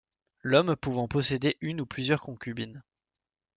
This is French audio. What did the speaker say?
L'homme pouvant posséder une ou plusieurs concubines.